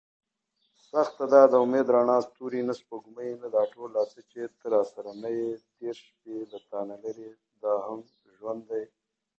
His princess girlfriend is then abducted by the same witch.